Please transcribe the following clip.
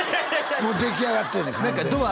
もう出来上がってんねん完全にドア